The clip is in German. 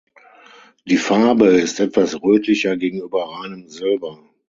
Die Farbe ist etwas rötlicher gegenüber reinem Silber.